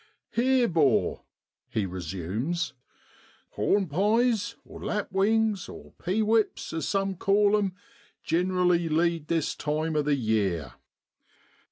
* Here, 'bor,' he resumes, ( hornpies (lapwings) or pe weeps, as some call 'em, gin'rally lead this time o' the year.